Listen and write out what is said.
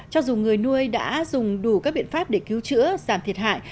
cho dù người nuôi đã dùng đủ các biện pháp để cứu chữa giảm thiệt hại